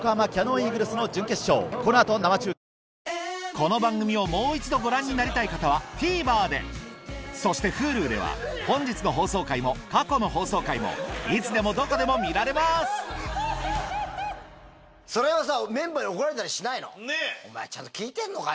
この番組をもう一度ご覧になりたい方はＴＶｅｒでそしてＨｕｌｕでは本日の放送回も過去の放送回もいつでもどこでも見られますそれをさ。